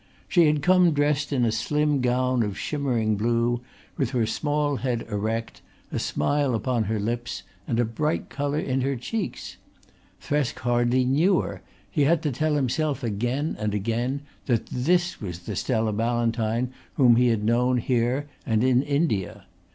She had come dressed in a slim gown of shimmering blue with her small head erect, a smile upon her lips and a bright colour in her cheeks. Thresk hardly knew her, he had to tell himself again and again that this was the Stella Ballantyne whom he had known here and in India.